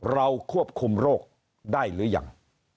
เราควบคุมโรคได้หรือยัง